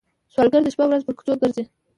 سوالګر د شپه ورځ پر کوڅو ګرځي